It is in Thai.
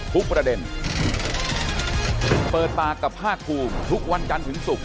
ทุกประเด็นเปิดปากกับภาคภูมิทุกวันจันทร์ถึงศุกร์